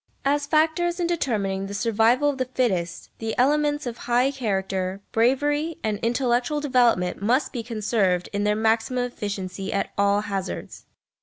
As factors in determining the survival of the fittest, the elements of high character, bravery, and intellectual development must be conserved in their maximum efficiency at all hazards.